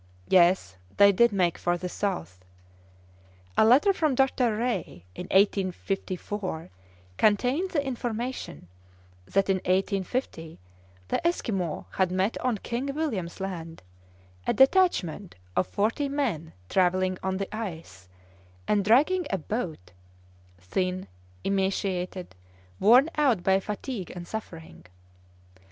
Yes, they did make for the south! A letter from Dr. Rae in 1854 contained the information that in 1850 the Esquimaux had met on King William's Land a detachment of forty men travelling on the ice, and dragging a boat, thin, emaciated, worn out by fatigue and suffering!